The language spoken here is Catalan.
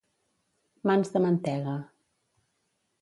Mans de mantega.